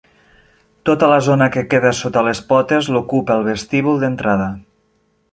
Tota la zona que queda sota les potes l'ocupa el vestíbul d'entrada.